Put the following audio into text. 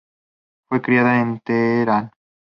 Fue criada en Teherán.